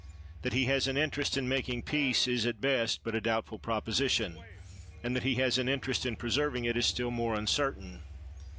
That he has an interest in making peace is at best but a doubtful proposition, and that he has an interest in preserving it is still more uncertain.